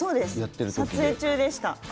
撮影中でした。